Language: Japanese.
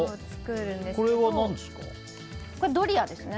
これは何ですか？